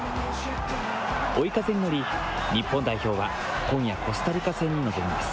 追い風に乗り、日本代表は今夜、コスタリカ戦に臨みます。